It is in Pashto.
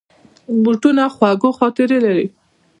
بوټونه د خوږو خاطرې لري.